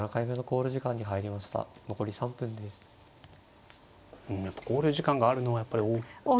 考慮時間があるのはやっぱり大きいですよね。